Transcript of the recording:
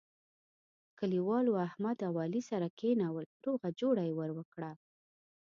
کلیوالو احمد او علي سره کېنول روغه جوړه یې ور وکړه.